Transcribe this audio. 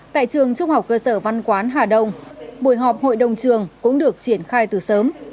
tại trường trung học cơ sở văn quán hà đông buổi họp hội đồng trường cũng được triển khai từ sớm